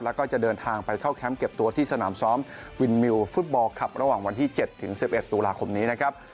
แล้วก็จะเดินทางไปเข้าแคมป์เก็บตัวที่สนามซ้อมวินมิวฟุตบอลคลับระหว่างวันที่๗๑๑ตุลาคมนี้นะครับ